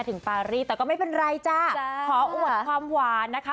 ปารีแต่ก็ไม่เป็นไรจ้าขออวดความหวานนะคะ